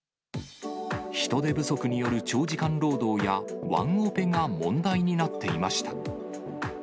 人手不足による長時間労働や、ワンオペが問題になっていました。